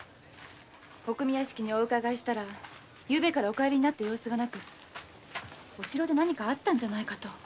お組屋敷にお伺いしたらお帰りになった様子がなくお城で何かあったのではないかと。